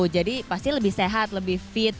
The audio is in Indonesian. jadi pasti lebih sehat lebih fit